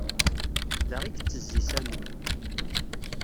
Da i yettezzi Sami.